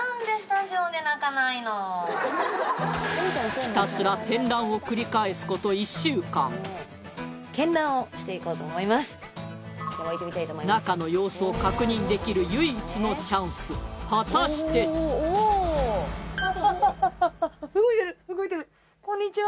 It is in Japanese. ひたすら中の様子を確認できる唯一のチャンス果たして⁉こんにちは！